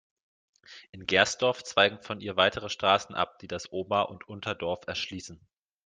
In Gersdorf zweigen von ihr weitere Straßen ab, die das Ober- und Unterdorf erschließen.